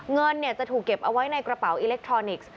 เงินจะถูกเก็บเอาไว้ในกระเป๋าอิเล็กทรอนิกส์